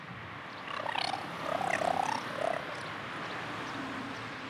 Orduan, euri arina egin lezake.